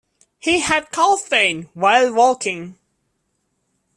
He had calf pain while walking.